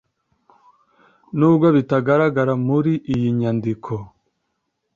n'ubwo bitagaragara muri iyi nyandiko